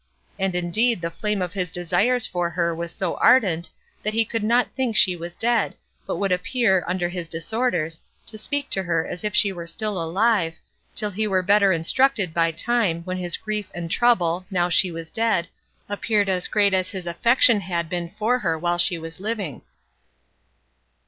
And indeed the flame of his desires for her was so ardent, that he could not think she was dead, but would appear, under his disorders, to speak to her as if she were still alive, till he were better instructed by time, when his grief and trouble, now she was dead, appeared as great as his affection had been for her while she was living.